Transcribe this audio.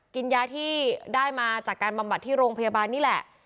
กินยาที่ได้มาจากการบำบัดที่โรงพยาบาลนี่แหละ